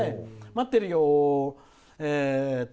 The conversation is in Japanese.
待ってるよ！